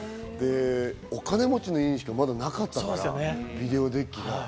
お金持ちの家にしかまだなかったからビデオデッキが。